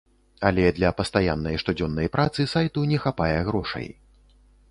Але для пастаяннай штодзённай працы сайту не хапае грошай.